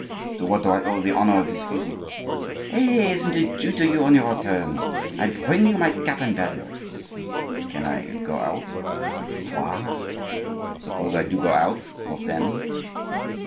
"To what do I owe the honor of this visit?" "Hey! Isn't it due to you on your return? I bring you my cap and bells." "Can I go out?" "Try." "Suppose I do go out, what then?"